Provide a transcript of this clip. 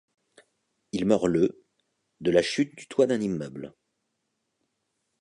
Il meurt le de la chute du toit d'un immeuble.